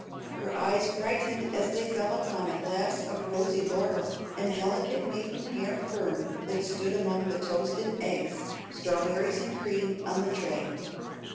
Her eyes brightened as they fell upon a glass of rosy laurel and delicate maidenhair fern that stood among the toast and eggs, strawberries and cream, on the tray.